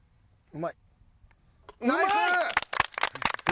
うまい！